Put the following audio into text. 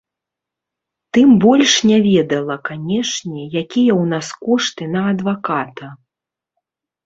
Тым больш не ведала, канечне, якія ў нас кошты на адваката.